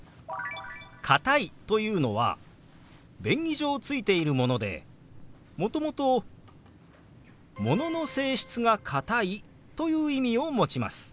「かたい」というのは便宜上ついているものでもともと「物の性質が硬い」という意味を持ちます。